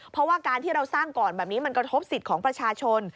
เพราะว่าการที่เราสร้างก่อนแบบนี้มันกระทบสิทธิ์ของประชาชน